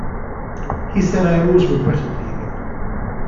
He said I always regretted leaving.